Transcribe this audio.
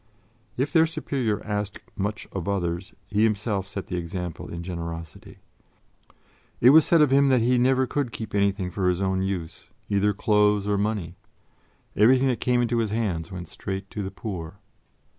If their Superior asked much of others, he himself set the example in generosity. It was said of him that he never could keep anything for his own use, either clothes or money; everything that came into his hands went straight to the poor.